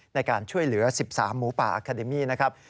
ในการช่วยเหลือ๑๓หมูป่าอาคาเดมี่นะครับ